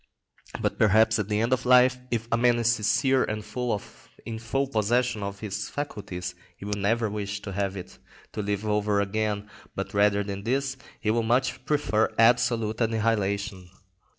But perhaps at the end of life, if a man is sincere and in full possession of his faculties, he will never wish to have it to live over again, but rather than this, he will much prefer absolute annihilation.